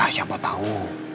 ya siapa tau